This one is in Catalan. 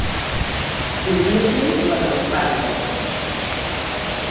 Cobrir-li les espatlles.